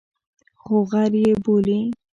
خو غر یې بولي.